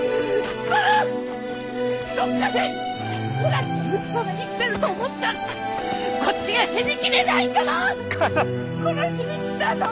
どっかでふらちな息子が生きてると思ったらこっちが死に切れないから殺しに来たの！